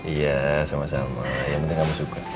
iya sama sama yang penting kamu suka